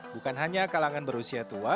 bukan hanya kalangan berusia tua